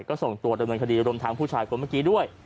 ก็ส่งตัวดำเนินคดีรวมทางผู้ชายคนเมื่อกี้ด้วย